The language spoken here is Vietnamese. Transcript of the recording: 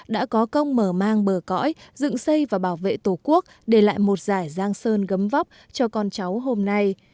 đã có công mở mang bờ cõi dựng xây và bảo vệ tổ quốc để lại một giải giang sơn gấm vóc cho con cháu hôm nay